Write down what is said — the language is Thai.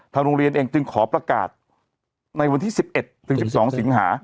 โรงเรียนเองจึงขอประกาศในวันที่๑๑ถึง๑๒สิงหา